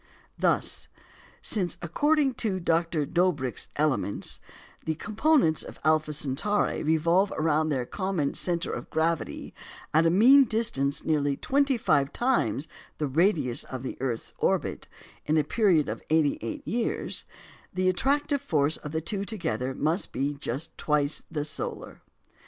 Thus, since according to Dr. Doberck's elements the components of Alpha Centauri revolve round their common centre of gravity at a mean distance nearly 25 times the radius of the earth's orbit, in a period of 88 years, the attractive force of the two together must be just twice the solar.